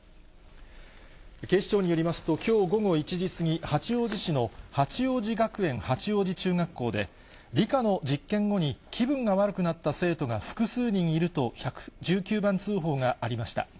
警視庁によりますと、きょう午後１時過ぎ、八王子市の八王子学園八王子中学校で、理科の実験後に、気分が悪くなった生徒が複数人いると、１１９番通報がありました。